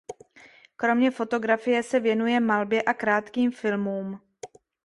Kromě fotografie se věnuje malbě a krátkým filmům.